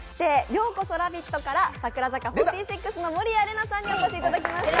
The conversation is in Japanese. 「＃ようこそラヴィット！」から櫻坂４６の守屋麗奈さんにお越しいただきました。